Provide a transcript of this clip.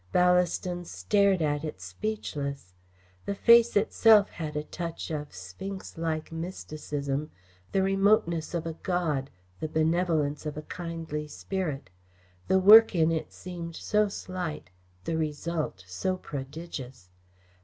Ballaston stared at it speechless. The face itself had a touch of sphinxlike mysticism, the remoteness of a god, the benevolence of a kindly spirit. The work in it seemed so slight; the result so prodigious.